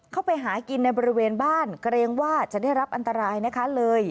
เข้าไปหากินในบริเวณบ้านเกรงว่าจะได้รับอันตรายนะคะเลย